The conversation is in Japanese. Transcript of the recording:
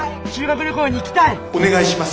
お願いします。